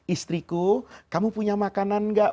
istriku kamu punya makanan gak